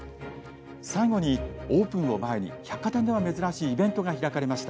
最後にオープンを前に百貨店では珍しいイベントが開かれました。